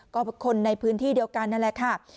ก็คนในพื้นที่เดียวกันนั่นแหละค่ะ